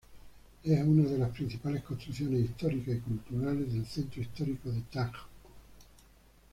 Es una de las principales construcciones históricas y culturales del Centro histórico de Taxco.